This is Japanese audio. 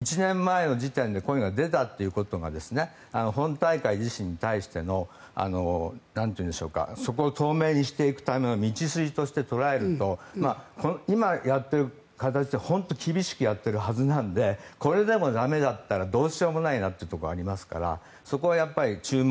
だからある意味、１年前の時点でこういうのが出たということが本大会自身に対しての透明にしていくための道筋として捉えると今やっている形で本当に厳しくやっているはずなのでこれでも駄目だったらどうしようもないなというところがありますからそこはやはり注目。